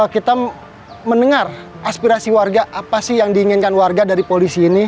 kita mendengar aspirasi warga apa sih yang diinginkan warga dari polisi ini